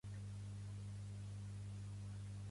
Vull canviar hieràtic egipci a català.